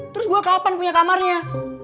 terus gue kapan punya kamarnya